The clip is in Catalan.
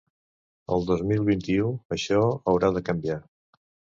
El dos mil vint-i-u, això haurà de canviar!